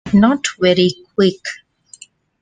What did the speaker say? Not very Quick.